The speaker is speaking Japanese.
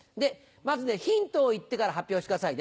まずヒントを言ってから発表してくださいね。